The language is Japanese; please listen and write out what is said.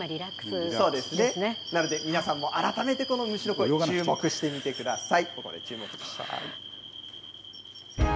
そうですね、皆さんも改めて、この虫の声、注目してみてください。